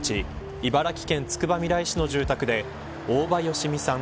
茨城県つくばみらい市の住宅で大場好美さん